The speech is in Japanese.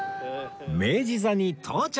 明治座に到着